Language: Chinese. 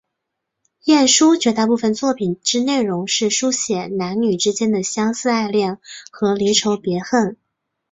晏殊绝大部分作品之内容是抒写男女之间的相思爱恋和离愁别恨。